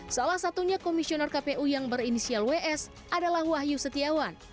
salah satunya komisioner kpu yang berinisial ws adalah wahyu setiawan